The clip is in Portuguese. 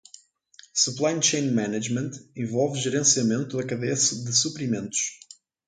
Supply Chain Management envolve gerenciamento da cadeia de suprimentos.